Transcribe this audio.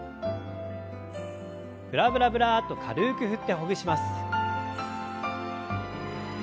ブラブラブラッと軽く振ってほぐします。